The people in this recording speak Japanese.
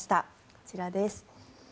こちらです。